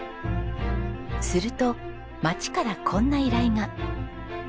すると町からこんな依頼が。